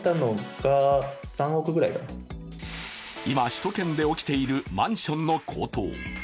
今、首都圏で起きているマンションの高騰。